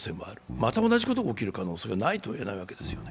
また同じことが起きる可能性がないとはいえないわけです。